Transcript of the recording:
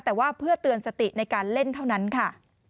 แต่ว่าเพื่อเตือนสติในการเล่นเท่านั้นค่ะ